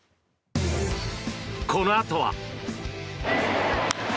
このあとは。